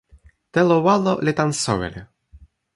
telo walo li tan soweli